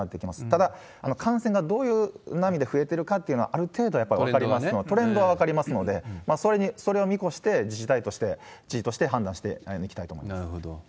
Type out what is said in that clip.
ただ、感染がどういう波で増えてるかっていうのは、ある程度、やっぱり分かりますので、トレンドは分かりますので、それを見越して、自治体として、知事として判断していきたいと思います。